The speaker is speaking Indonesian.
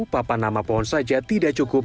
papanama pohon saja tidak cukup